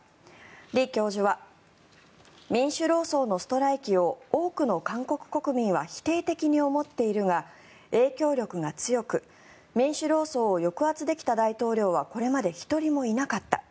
李教授は民主労総のストライキを多くの韓国国民は否定的に思っているが影響力が強く民主労総を抑圧できた大統領はこれまで１人もいなかった。